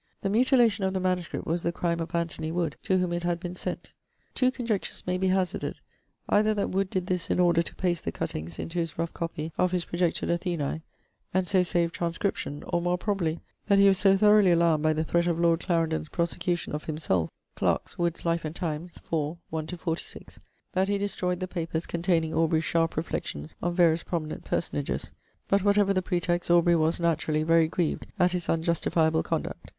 The mutilation of the MS. was the crime of Anthony Wood, to whom it had been sent. Two conjectures may be hazarded either that Wood did this in order to paste the cuttings into his rough copy of his projected Athenae, and so save transcription; or, more probably, that he was so thoroughly alarmed by the threat of Lord Clarendon's prosecution of himself (Clark's Wood's Life and Times, iv. 1 46), that he destroyed the papers containing Aubrey's sharp reflections on various prominent personages. But whatever the pretext, Aubrey was, naturally, very grieved at his unjustifiable conduct.